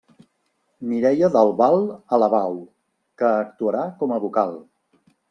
Mireia del Val Alabau, que actuarà com a vocal.